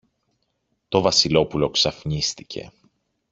Το Βασιλόπουλο ξαφνίστηκε.